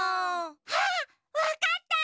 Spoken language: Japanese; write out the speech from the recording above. あっわかった！